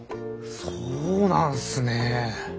そうなんすね。